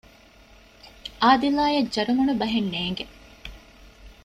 އާދިލާއަށް ޖަރުމަނު ބަހެއް ނޭނގެ